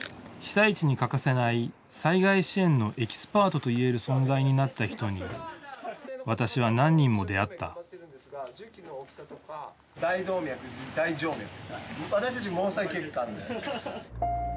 被災地に欠かせない災害支援のエキスパートといえる存在になった人に私は何人も出会った大動脈大静脈私たち毛細血管。